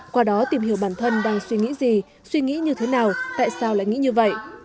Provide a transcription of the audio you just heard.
qua đó tìm hiểu bản thân đang suy nghĩ gì suy nghĩ như thế nào tại sao lại nghĩ như vậy